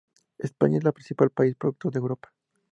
España es el principal país productor de Europa.